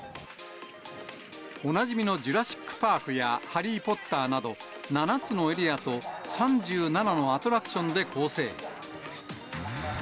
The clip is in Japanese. おなじみのジュラシックパークやハリー・ポッターなど、７つのエリアと、３７のアトラクションで構成。